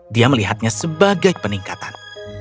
dia melihatnya sebagai peningkatan